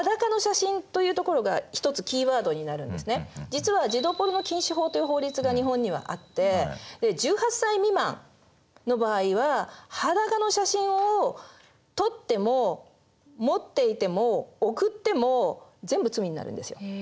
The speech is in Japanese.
実は児童ポルノ禁止法という法律が日本にはあって１８歳未満の場合は裸の写真を撮っても持っていても送っても全部罪になるんですよ。